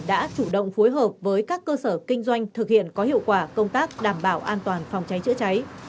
đã chủ động phối hợp với các cơ sở kinh doanh thực hiện có hiệu quả công tác đảm bảo an toàn phòng cháy chữa cháy